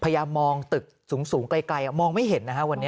พยายามมองตึกสูงไกลมองไม่เห็นนะฮะวันนี้